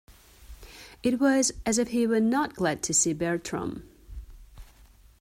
It was as if he were not glad to see Bertram.